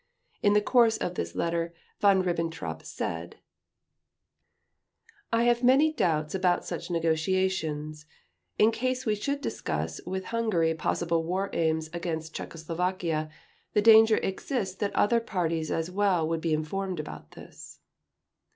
In the course of this letter Von Ribbentrop said: "I have many doubts about such negotiations. In case we should discuss with Hungary possible war aims against Czechoslovakia, the danger exists that other parties as well would be informed about this."